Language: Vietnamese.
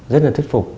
rất là thuyết phục